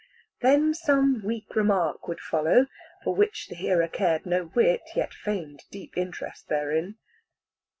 Then some weak remark would follow, for which the hearer cared no whit, yet feigned deep interest therein.